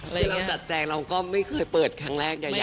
ที่เราจัดแจงเราก็ไม่เคยเปิดครั้งแรกใหญ่